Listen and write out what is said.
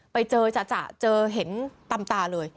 ไปเจอจ่ะเจอเห็นตามตาเลย